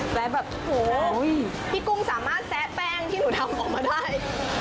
แบบโอ้โหพี่กุ้งสามารถแซะแป้งที่หนูทำออกมาได้